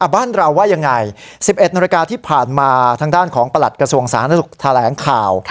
บ้านเราว่ายังไง๑๑นาฬิกาที่ผ่านมาทางด้านของประหลัดกระทรวงสาธารณสุขแถลงข่าว